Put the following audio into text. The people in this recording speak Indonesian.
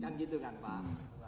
yang gitu kan pak